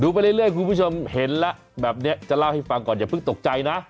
ไปเรื่อยคุณผู้ชมเห็นแล้วแบบนี้จะเล่าให้ฟังก่อนอย่าเพิ่งตกใจนะ